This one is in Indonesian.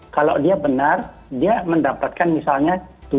kalau dia benar dia mendapatkan misalnya tujuh